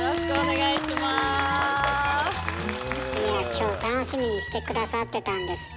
いやぁ今日楽しみにして下さってたんですって？